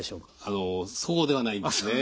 あのそうではないんですね。